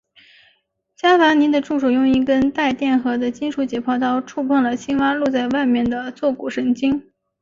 伽伐尼的助手用一根带电荷的金属解剖刀触碰了青蛙露在外面的坐骨神经。